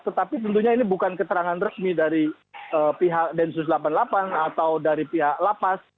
tetapi tentunya ini bukan keterangan resmi dari pihak densus delapan puluh delapan atau dari pihak lapas